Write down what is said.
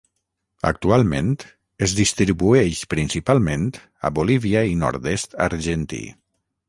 Actualment es distribueix principalment a Bolívia i nord-est argentí.